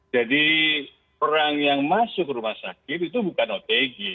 jadi orang yang masuk rumah sakit itu bukan otg